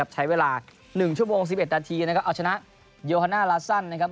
ใช้เวลา๑ชั่วโมง๑๑นาทีนะครับเอาชนะโยฮาน่าลาซันนะครับ